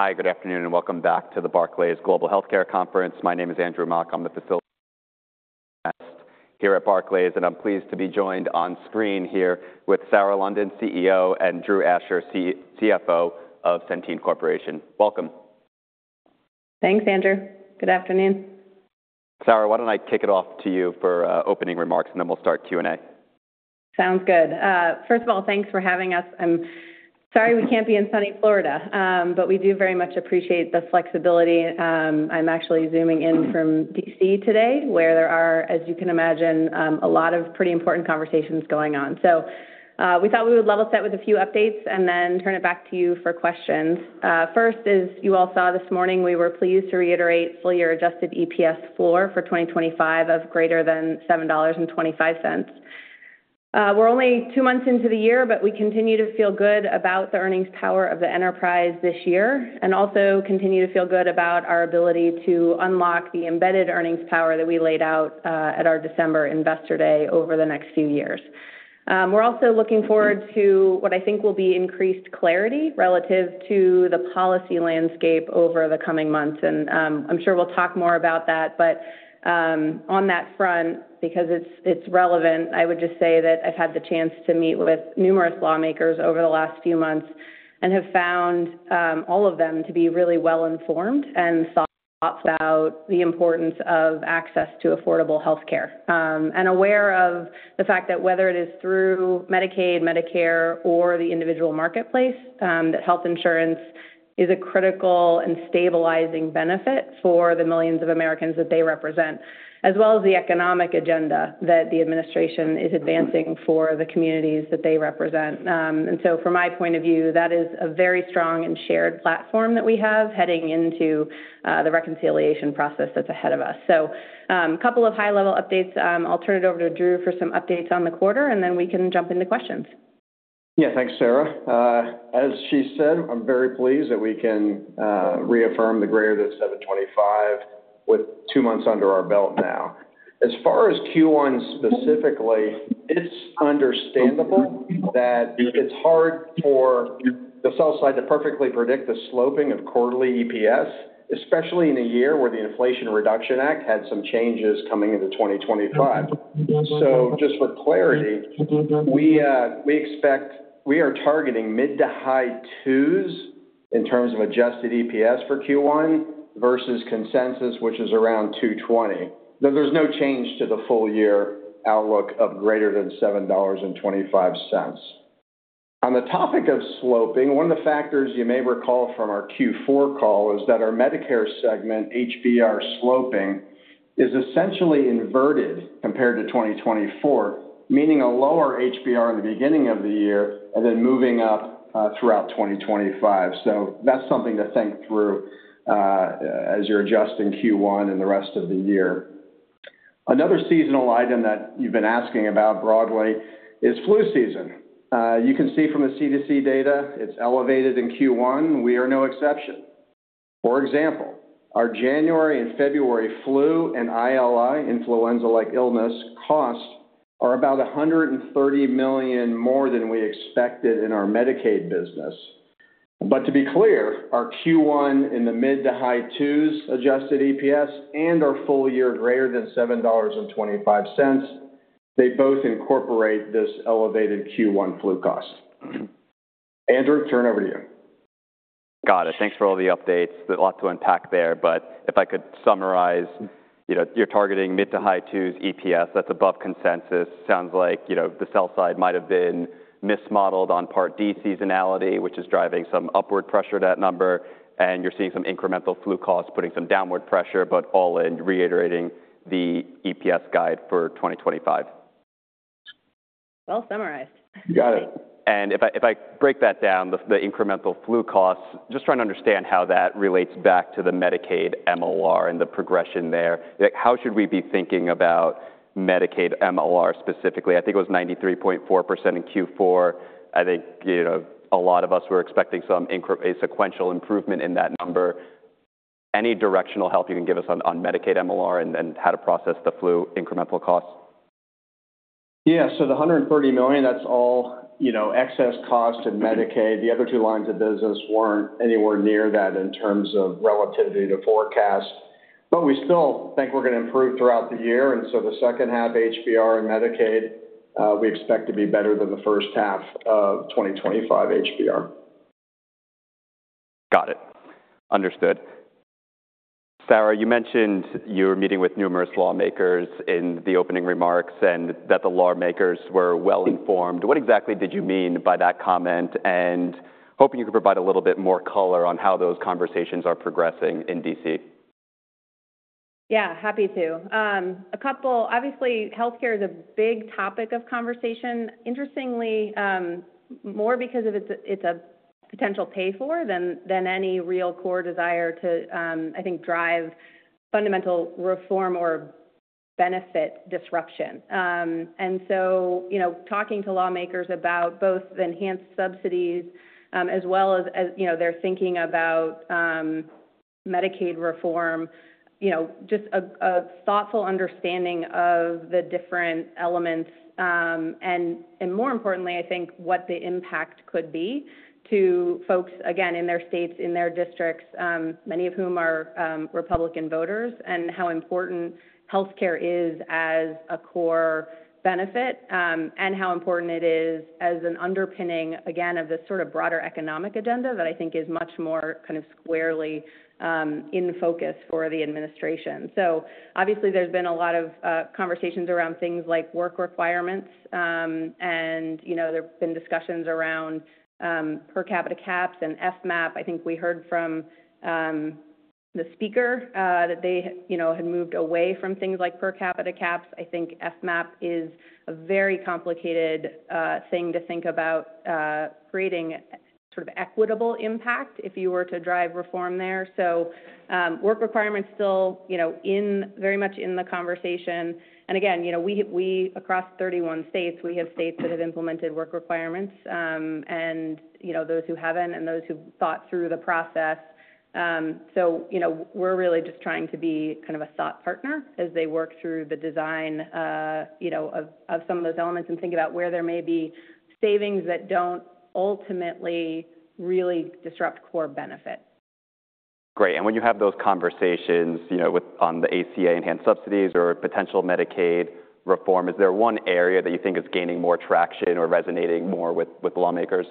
Hi, good afternoon, and welcome back to the Barclays Global Healthcare Conference. My name is Andrew Mok. I'm the here at Barclays, and I'm pleased to be joined on screen here with Sarah London, CEO, and Drew Asher, CFO of Centene Corporation. Welcome. Thanks, Andrew. Good afternoon. Sarah, why don't I kick it off to you for opening remarks, and then we'll start Q&A. Sounds good. First of all, thanks for having us. I'm sorry we can't be in sunny Florida, but we do very much appreciate the flexibility. I'm actually Zooming in from D.C. today, where there are, as you can imagine, a lot of pretty important conversations going on. We thought we would level set with a few updates and then turn it back to you for questions. First is, you all saw this morning, we were pleased to reiterate fully adjusted EPS floor for 2025 of greater than $7.25. We're only two months into the year, but we continue to feel good about the earnings power of the enterprise this year and also continue to feel good about our ability to unlock the embedded earnings power that we laid out at our December Investor Day over the next few years. We're also looking forward to what I think will be increased clarity relative to the policy landscape over the coming months. I'm sure we'll talk more about that. On that front, because it's relevant, I would just say that I've had the chance to meet with numerous lawmakers over the last few months and have found all of them to be really well-informed and thoughtful about the importance of access to affordable health care. They are aware of the fact that whether it is through Medicaid, Medicare, or the Individual Marketplace, health insurance is a critical and stabilizing benefit for the millions of Americans that they represent, as well as the economic agenda that the administration is advancing for the communities that they represent. From my point of view, that is a very strong and shared platform that we have heading into the reconciliation process that is ahead of us. A couple of high-level updates. I'll turn it over to Drew for some updates on the quarter, and then we can jump into questions. Yeah, thanks, Sarah. As she said, I'm very pleased that we can reaffirm the greater than $7.25 with two months under our belt now. As far as Q1 specifically, it's understandable that it's hard for the sell side to perfectly predict the sloping of quarterly EPS, especially in a year where the Inflation Reduction Act had some changes coming into 2025. Just for clarity, we expect we are targeting mid to high twos in terms of adjusted EPS for Q1 versus consensus, which is around $2.20. There's no change to the full year outlook of greater than $7.25. On the topic of sloping, one of the factors you may recall from our Q4 call is that our Medicare segment HBR sloping is essentially inverted compared to 2024, meaning a lower HBR in the beginning of the year and then moving up throughout 2025. That's something to think through as you're adjusting Q1 and the rest of the year. Another seasonal item that you've been asking about broadly is flu season. You can see from the CDC data, it's elevated in Q1. We are no exception. For example, our January and February flu and ILI, influenza-like illness cost, are about $130 million more than we expected in our Medicaid business. To be clear, our Q1 in the mid to high twos adjusted EPS and our full year greater than $7.25, they both incorporate this elevated Q1 flu cost. Andrew, turn it over to you. Got it. Thanks for all the updates. A lot to unpack there. If I could summarize, you're targeting mid to high twos EPS. That's above consensus. Sounds like the sell side might have been mismodeled on Part D seasonality, which is driving some upward pressure to that number. You're seeing some incremental flu costs putting some downward pressure, but all in reiterating the EPS guide for 2025. Well summarized. Got it. If I break that down, the incremental flu costs, just trying to understand how that relates back to the Medicaid MLR and the progression there. How should we be thinking about Medicaid MLR specifically? I think it was 93.4% in Q4. I think a lot of us were expecting some sequential improvement in that number. Any directional help you can give us on Medicaid MLR and how to process the flu incremental costs? Yeah, so the $130 million, that's all excess cost in Medicaid. The other two lines of business were not anywhere near that in terms of relativity to forecast. We still think we're going to improve throughout the year. The second half HBR in Medicaid, we expect to be better than the first half of 2025 HBR. Got it. Understood. Sarah, you mentioned you were meeting with numerous lawmakers in the opening remarks and that the lawmakers were well-informed. What exactly did you mean by that comment? Hoping you could provide a little bit more color on how those conversations are progressing in DC. Yeah, happy to. A couple, obviously, health care is a big topic of conversation, interestingly more because of its potential pay for than any real core desire to, I think, drive fundamental reform or benefit disruption. Talking to lawmakers about both the enhanced subsidies as well as their thinking about Medicaid reform, just a thoughtful understanding of the different elements. More importantly, I think what the impact could be to folks, again, in their states, in their districts, many of whom are Republican voters, and how important health care is as a core benefit and how important it is as an underpinning, again, of this sort of broader economic agenda that I think is much more kind of squarely in focus for the administration. Obviously, there's been a lot of conversations around things like work requirements. There have been discussions around per capita caps and FMAP. I think we heard from the Speaker that they had moved away from things like per capita caps. I think FMAP is a very complicated thing to think about creating sort of equitable impact if you were to drive reform there. Work requirements are still very much in the conversation. Again, across 31 states, we have states that have implemented work requirements and those who have not and those who thought through the process. We are really just trying to be kind of a thought partner as they work through the design of some of those elements and think about where there may be savings that do not ultimately really disrupt core benefit. Great. When you have those conversations on the ACA enhanced subsidies or potential Medicaid reform, is there one area that you think is gaining more traction or resonating more with lawmakers?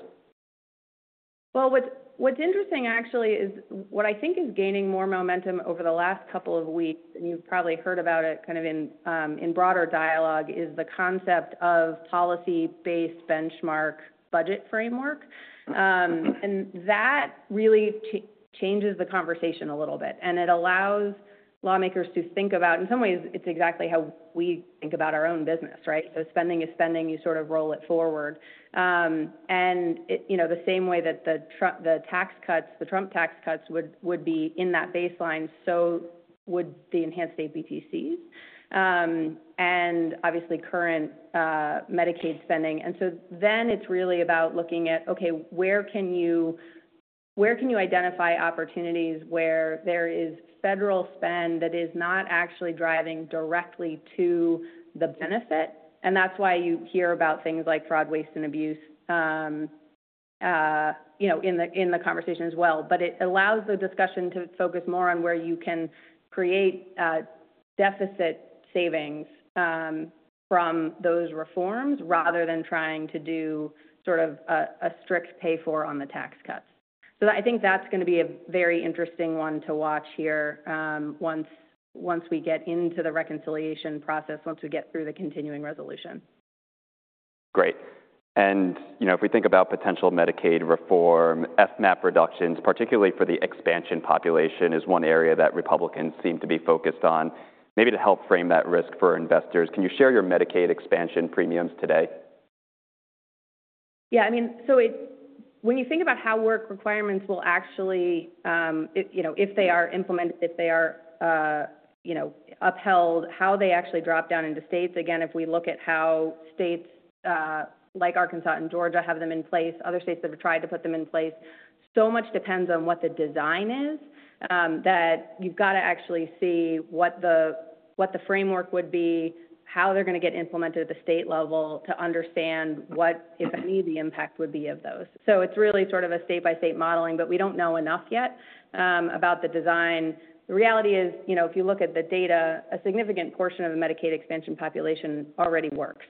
What is interesting actually is what I think is gaining more momentum over the last couple of weeks, and you've probably heard about it kind of in broader dialogue, is the concept of policy-based benchmark budget framework. That really changes the conversation a little bit. It allows lawmakers to think about, in some ways, it's exactly how we think about our own business, right? Spending is spending. You sort of roll it forward. The same way that the tax cuts, the Trump tax cuts would be in that baseline, so would the enhanced APTCs and obviously current Medicaid spending. It is really about looking at, okay, where can you identify opportunities where there is federal spend that is not actually driving directly to the benefit? That is why you hear about things like fraud, waste, and abuse in the conversation as well. It allows the discussion to focus more on where you can create deficit savings from those reforms rather than trying to do sort of a strict pay for on the tax cuts. I think that's going to be a very interesting one to watch here once we get into the reconciliation process, once we get through the continuing resolution. Great. If we think about potential Medicaid reform, FMAP reductions, particularly for the expansion population, is one area that Republicans seem to be focused on. Maybe to help frame that risk for investors, can you share your Medicaid expansion premiums today? Yeah, I mean, so when you think about how work requirements will actually, if they are implemented, if they are upheld, how they actually drop down into states. Again, if we look at how states like Arkansas and Georgia have them in place, other states that have tried to put them in place, so much depends on what the design is that you've got to actually see what the framework would be, how they're going to get implemented at the state level to understand what, if any, the impact would be of those. It is really sort of a state-by-state modeling, but we don't know enough yet about the design. The reality is, if you look at the data, a significant portion of the Medicaid expansion population already works.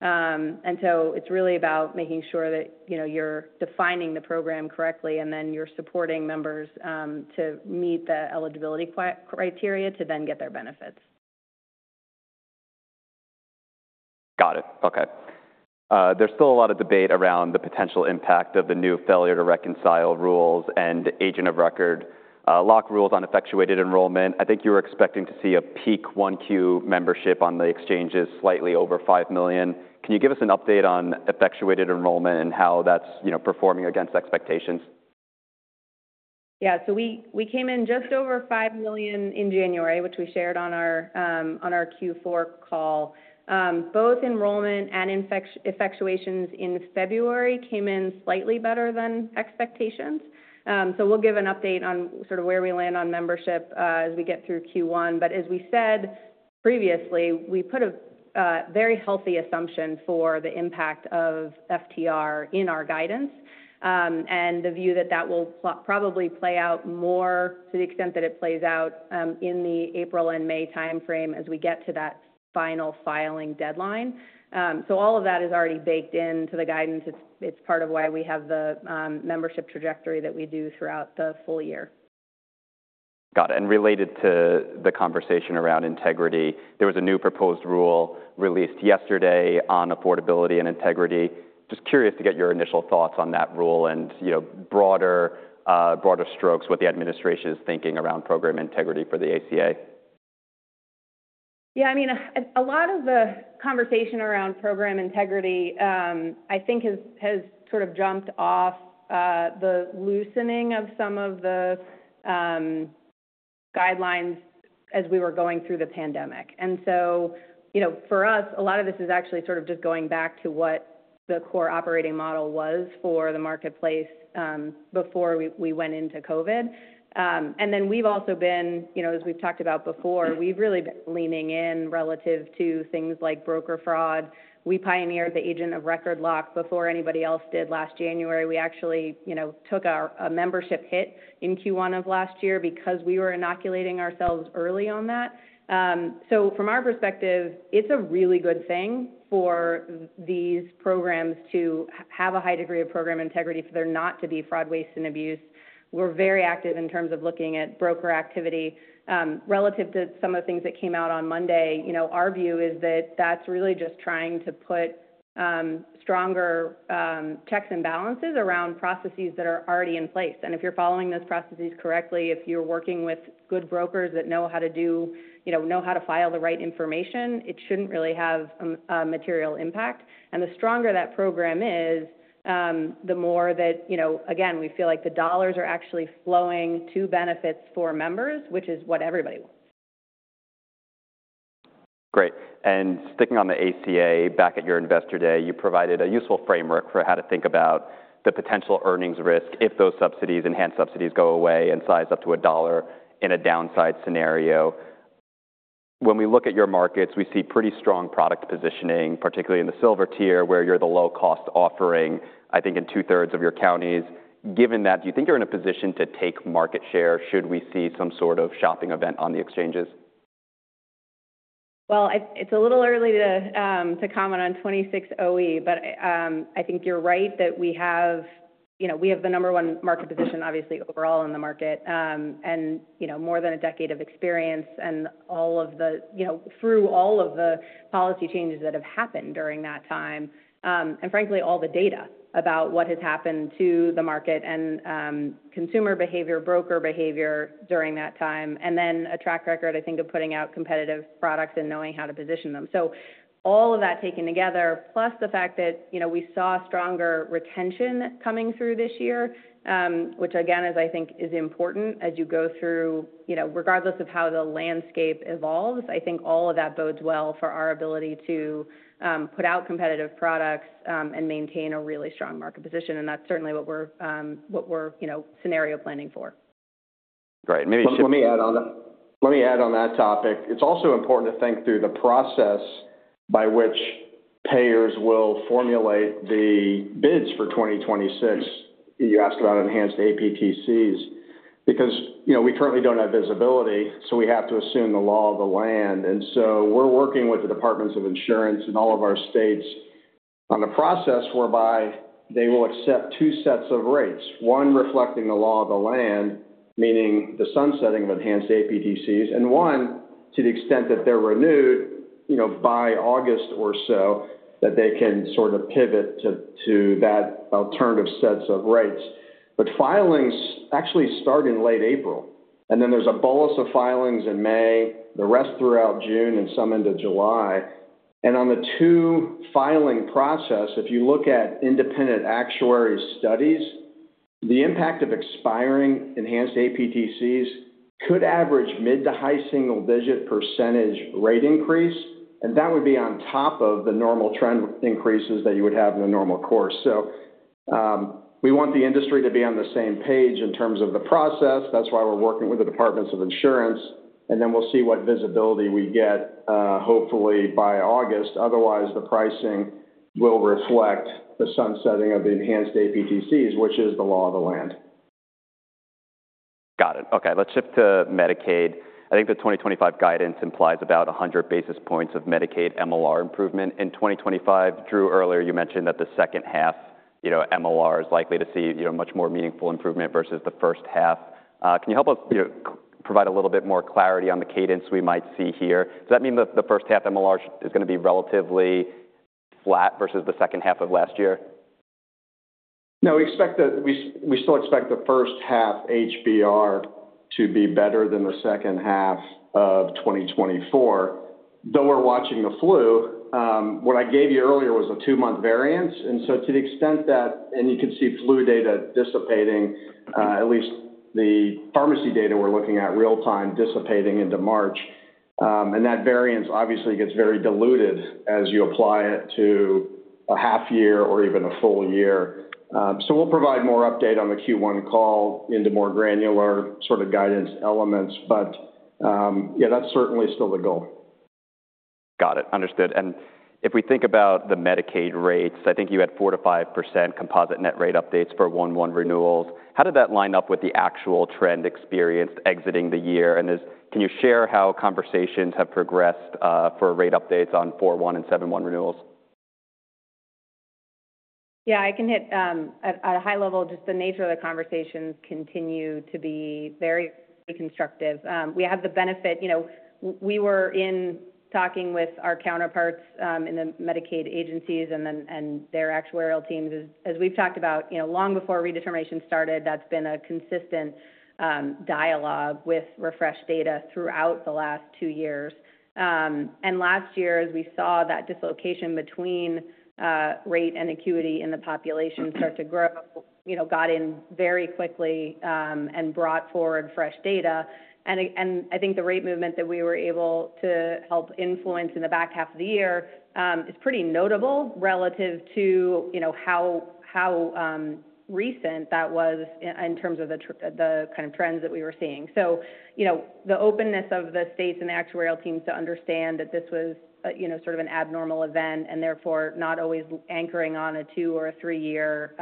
It is really about making sure that you're defining the program correctly and then you're supporting members to meet the eligibility criteria to then get their benefits. Got it. Okay. There's still a lot of debate around the potential impact of the new failure to reconcile rules and agent of record lock rules on effectuated enrollment. I think you were expecting to see a peak Q1 membership on the exchanges slightly over 5 million. Can you give us an update on effectuated enrollment and how that's performing against expectations? Yeah, so we came in just over 5 million in January, which we shared on our Q4 call. Both enrollment and effectuations in February came in slightly better than expectations. We will give an update on sort of where we land on membership as we get through Q1. As we said previously, we put a very healthy assumption for the impact of FTR in our guidance and the view that that will probably play out more to the extent that it plays out in the April and May timeframe as we get to that final filing deadline. All of that is already baked into the guidance. It is part of why we have the membership trajectory that we do throughout the full year. Got it. Related to the conversation around integrity, there was a new proposed rule released yesterday on affordability and integrity. Just curious to get your initial thoughts on that rule and broader strokes, what the administration is thinking around program integrity for the ACA. Yeah, I mean, a lot of the conversation around program integrity, I think, has sort of jumped off the loosening of some of the guidelines as we were going through the pandemic. For us, a lot of this is actually sort of just going back to what the core operating model was for the marketplace before we went into COVID. We have also been, as we've talked about before, really leaning in relative to things like broker fraud. We pioneered the agent of record lock before anybody else did last January. We actually took a membership hit in Q1 of last year because we were inoculating ourselves early on that. From our perspective, it's a really good thing for these programs to have a high degree of program integrity for there not to be fraud, waste, and abuse. We're very active in terms of looking at broker activity. Relative to some of the things that came out on Monday, our view is that that's really just trying to put stronger checks and balances around processes that are already in place. If you're following those processes correctly, if you're working with good brokers that know how to do, know how to file the right information, it shouldn't really have a material impact. The stronger that program is, the more that, again, we feel like the dollars are actually flowing to benefits for members, which is what everybody wants. Great. Sticking on the ACA, back at your Investor Day, you provided a useful framework for how to think about the potential earnings risk if those subsidies, enhanced subsidies go away and size up to a dollar in a downside scenario. When we look at your markets, we see pretty strong product positioning, particularly in the Silver tier where you're the low-cost offering, I think, in two-thirds of your counties. Given that, do you think you're in a position to take market share should we see some sort of shopping event on the exchanges? It's a little early to comment on 2026 OE, but I think you're right that we have the number one market position, obviously, overall in the market and more than a decade of experience and all of the, through all of the policy changes that have happened during that time, and frankly, all the data about what has happened to the market and consumer behavior, broker behavior during that time, and then a track record, I think, of putting out competitive products and knowing how to position them. All of that taken together, plus the fact that we saw stronger retention coming through this year, which again, I think, is important as you go through, regardless of how the landscape evolves, I think all of that bodes well for our ability to put out competitive products and maintain a really strong market position. That is certainly what we're scenario planning for. Great. Let me add on that topic. It's also important to think through the process by which payers will formulate the bids for 2026. You asked about enhanced APTCs because we currently don't have visibility, so we have to assume the law of the land. We're working with the departments of insurance in all of our states on a process whereby they will accept two sets of rates, one reflecting the law of the land, meaning the sunsetting of enhanced APTCs, and one to the extent that they're renewed by August or so that they can sort of pivot to that alternative sets of rates. Filings actually start in late April, and then there's a bolus of filings in May, the rest throughout June, and some into July. On the two filing process, if you look at independent actuary studies, the impact of expiring enhanced APTCs could average mid to high single-digit % rate increase. That would be on top of the normal trend increases that you would have in a normal course. We want the industry to be on the same page in terms of the process. That is why we are working with the departments of insurance. We will see what visibility we get, hopefully, by August. Otherwise, the pricing will reflect the sunsetting of the enhanced APTCs, which is the law of the land. Got it. Okay. Let's shift to Medicaid. I think the 2025 guidance implies about 100 basis points of Medicaid MLR improvement in 2025. Drew, earlier, you mentioned that the second half MLR is likely to see much more meaningful improvement versus the first half. Can you help us provide a little bit more clarity on the cadence we might see here? Does that mean that the first half MLR is going to be relatively flat versus the second half of last year? No, we still expect the first half HBR to be better than the second half of 2024, though we're watching the flu. What I gave you earlier was a two-month variance. To the extent that, and you can see flu data dissipating, at least the pharmacy data we're looking at real-time dissipating into March. That variance obviously gets very diluted as you apply it to a half year or even a full year. We will provide more update on the Q1 call into more granular sort of guidance elements. Yeah, that's certainly still the goal. Got it. Understood. If we think about the Medicaid rates, I think you had 4-5% composite net rate updates for 1/1 renewals. How did that line up with the actual trend experienced exiting the year? Can you share how conversations have progressed for rate updates on 4/1 and 7/1 renewals? Yeah, I can hit at a high level, just the nature of the conversations continue to be very constructive. We have the benefit. We were in talking with our counterparts in the Medicaid agencies and their actuarial teams. As we've talked about, long before redetermination started, that's been a consistent dialogue with refreshed data throughout the last two years. Last year, as we saw that dislocation between rate and acuity in the population start to grow, got in very quickly and brought forward fresh data. I think the rate movement that we were able to help influence in the back half of the year is pretty notable relative to how recent that was in terms of the kind of trends that we were seeing. The openness of the states and the actuarial teams to understand that this was sort of an abnormal event and therefore not always anchoring on a two or a three-year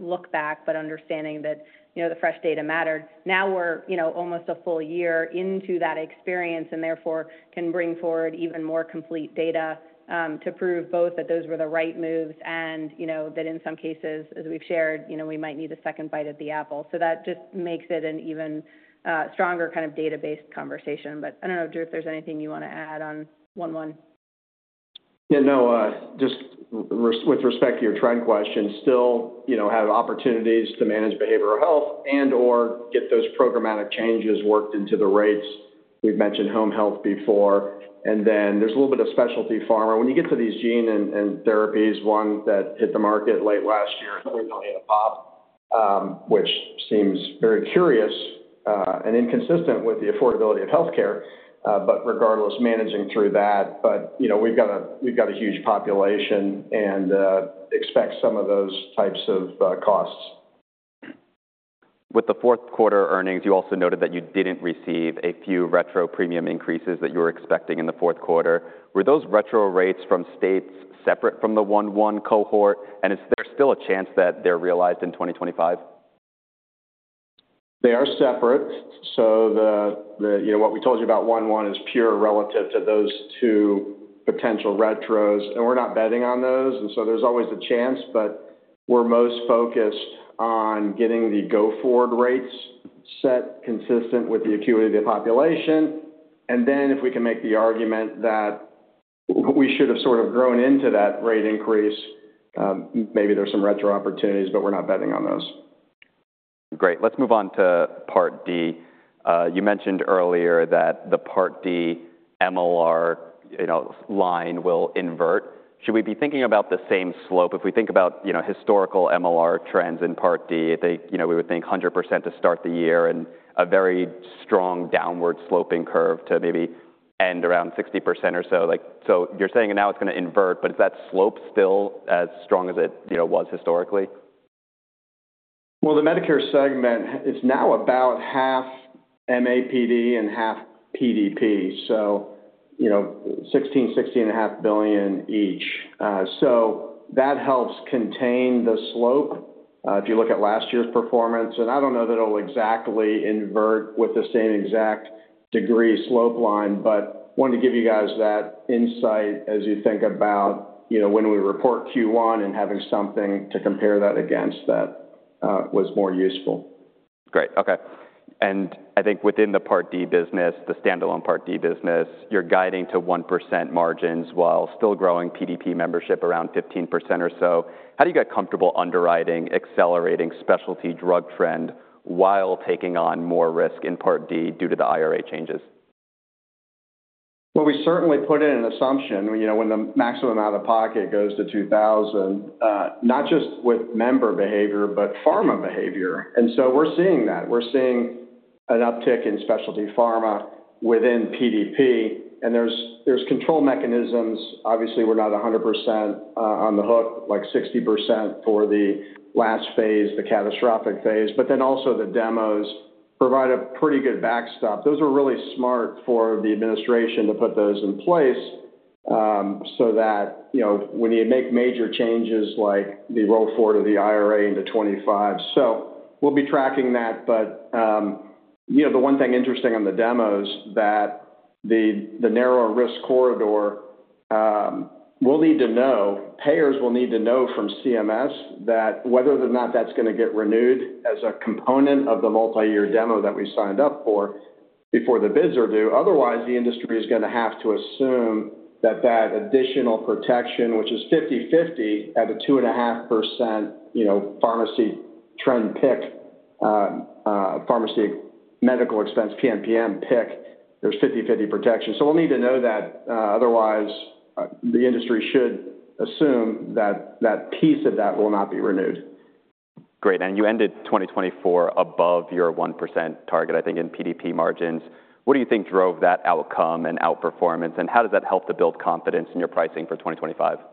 lookback, but understanding that the fresh data mattered. Now we are almost a full year into that experience and therefore can bring forward even more complete data to prove both that those were the right moves and that in some cases, as we have shared, we might need a second bite at the apple. That just makes it an even stronger kind of database conversation. I do not know, Drew, if there is anything you want to add on 1-1. Yeah, no, just with respect to your trend question, still have opportunities to manage behavioral health and/or get those programmatic changes worked into the rates. We've mentioned home health before. Then there's a little bit of specialty pharma. When you get to these gene and therapies, one that hit the market late last year certainly had a pop, which seems very curious and inconsistent with the affordability of healthcare, regardless, managing through that. We've got a huge population and expect some of those types of costs. With the fourth quarter earnings, you also noted that you did not receive a few retro premium increases that you were expecting in the fourth quarter. Were those retro rates from states separate from the 1-1 cohort? Is there still a chance that they are realized in 2025? They are separate. What we told you about 1-1 is pure relative to those two potential retros. We're not betting on those. There is always a chance, but we're most focused on getting the go-forward rates set consistent with the acuity of the population. If we can make the argument that we should have sort of grown into that rate increase, maybe there are some retro opportunities, but we're not betting on those. Great. Let's move on to Part D. You mentioned earlier that the Part D MLR line will invert. Should we be thinking about the same slope? If we think about historical MLR trends in Part D, I think we would think 100% to start the year and a very strong downward sloping curve to maybe end around 60% or so. You are saying now it is going to invert, but is that slope still as strong as it was historically? The Medicare segment is now about half MAPD and half PDP, so $16 billion, $16.5 billion each. That helps contain the slope if you look at last year's performance. I do not know that it will exactly invert with the same exact degree slope line, but wanted to give you guys that insight as you think about when we report Q1 and having something to compare that against that was more useful. Great. Okay. I think within the Part D business, the standalone Part D business, you're guiding to 1% margins while still growing PDP membership around 15% or so. How do you get comfortable underwriting accelerating specialty drug trend while taking on more risk in Part D due to the IRA changes? We certainly put in an assumption when the maximum out of pocket goes to $2,000, not just with member behavior, but pharma behavior. We are seeing that. We are seeing an uptick in specialty pharma within PDP. There are control mechanisms. Obviously, we are not 100% on the hook, like 60% for the last phase, the catastrophic phase, but the demos also provide a pretty good backstop. Those are really smart for the administration to put in place so that when you make major changes like the roll forward of the IRA into 2025. We will be tracking that. The one thing interesting on the demos is that the narrower risk corridor, we'll need to know, payers will need to know from CMS whether or not that's going to get renewed as a component of the multi-year demo that we signed up for before the bids are due. Otherwise, the industry is going to have to assume that that additional protection, which is 50/50 at a 2.5% pharmacy trend pick, pharmacy medical expense PMPM pick, there's 50/50 protection. We'll need to know that. Otherwise, the industry should assume that that piece of that will not be renewed. Great. You ended 2024 above your 1% target, I think, in PDP margins. What do you think drove that outcome and outperformance? How does that help to build confidence in your pricing for 2025? Yeah,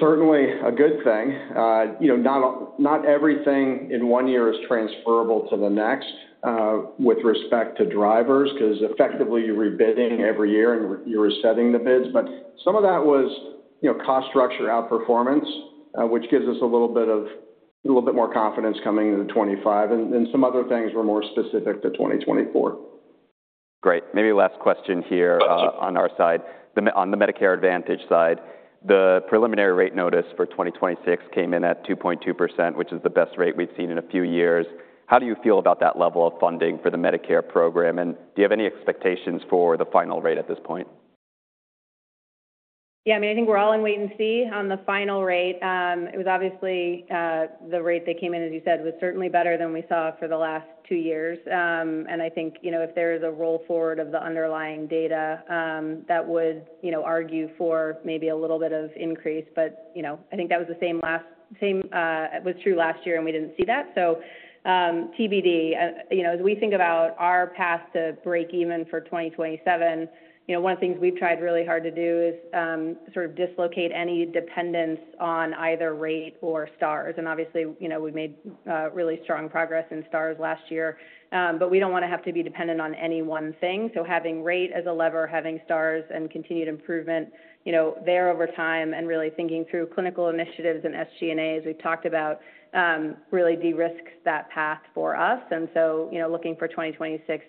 certainly a good thing. Not everything in one year is transferable to the next with respect to drivers because effectively you're rebidding every year and you're resetting the bids. Some of that was cost structure outperformance, which gives us a little bit more confidence coming into 2025. Some other things were more specific to 2024. Great. Maybe last question here on our side. On the Medicare Advantage side, the preliminary rate notice for 2026 came in at 2.2%, which is the best rate we've seen in a few years. How do you feel about that level of funding for the Medicare program? Do you have any expectations for the final rate at this point? Yeah, I mean, I think we're all in wait and see on the final rate. It was obviously the rate that came in, as you said, was certainly better than we saw for the last two years. I think if there is a roll forward of the underlying data, that would argue for maybe a little bit of increase. I think that was the same last, same was true last year and we didn't see that. TBD, as we think about our path to break even for 2027, one of the things we've tried really hard to do is sort of dislocate any dependence on either rate or Stars. Obviously, we made really strong progress in Stars last year, but we don't want to have to be dependent on any one thing. Having rate as a lever, having Stars and continued improvement there over time and really thinking through clinical initiatives and SG&A as we've talked about really de-risk that path for us. Looking for 2026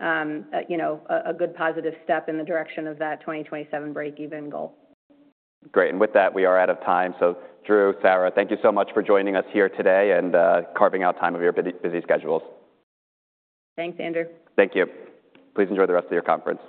to be a good positive step in the direction of that 2027 break-even goal. Great. With that, we are out of time. Drew, Sarah, thank you so much for joining us here today and carving out time of your busy schedules. Thanks, Andrew. Thank you. Please enjoy the rest of your conference.